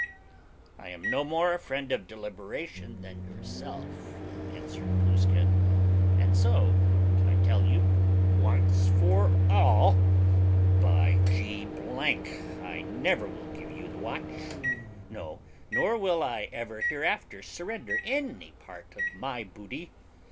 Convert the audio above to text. "I am no more a friend to deliberation than yourself," answered Blueskin, "and so I tell you, once for all, by G I never will give you the watch, no, nor will I ever hereafter surrender any part of my booty.